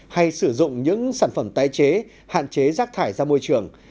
hay sử dụng những sản phẩm tái chế hạn chế rác thải ra môi trường